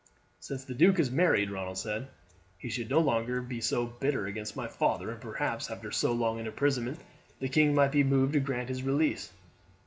"Since the duke has married," Ronald said, "he should no longer be so bitter against my father, and perhaps after so long an imprisonment the king might be moved to grant his release."